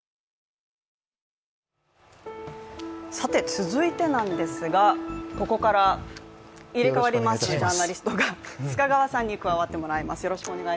続いてなんですが、ここから入れ代わりまして、ジャーナリストが須賀川さんに加わっていただきます。